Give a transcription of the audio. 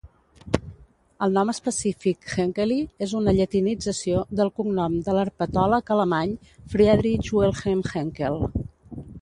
El nom específic "henkeli" és una llatinització del cognom de l'herpetòleg alemany Friedrich-Wilhelm Henkel.